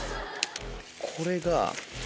これが。